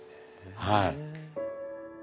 はい。